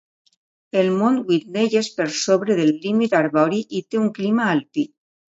El mont Whitney és per sobre del límit arbori i té un clima alpí.